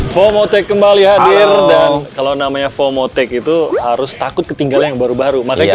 pomodoro kembali hadir kalau namanya fomotek itu harus takut ketinggalan baru baru maka